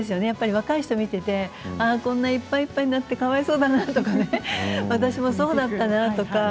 若い人を見ていてこんなにいっぱいいっぱいになってかわいそうだなって私もそうだったなとか。